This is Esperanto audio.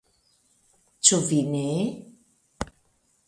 Ĉu vi ne?